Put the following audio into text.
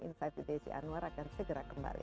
insight with desi anwar akan segera kembali